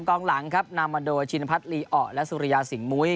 กองหลังครับนำมาโดยชินพัฒนลีอ่อและสุริยาสิงหมุ้ย